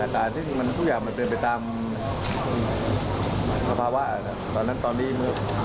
ถ้าเป็นเรียบร้อยเธอจะไปนานแล้ว